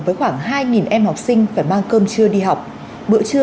với khoảng hai em học sinh phải mang cơm trưa đi học